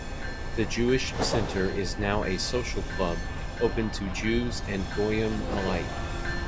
The Jewish Center is now a "social club," open to Jews and goyim alike.